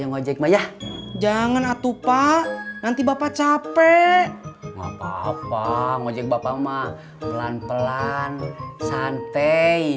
ngajak ya jangan atuh pak nanti bapak capek ngapa apa ngajak bapak mah pelan pelan santai